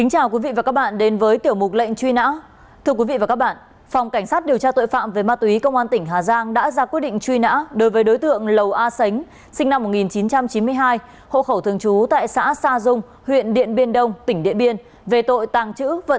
hãy đăng ký kênh để ủng hộ kênh của chúng mình nhé